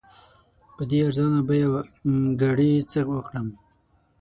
په دې ارزان بیه ګړي څه وکړم؟